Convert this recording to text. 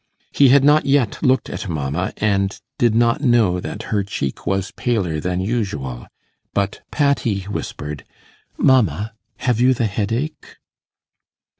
He had not yet looked at Mamma, and did not know that her cheek was paler than usual. But Patty whispered, 'Mamma, have you the headache?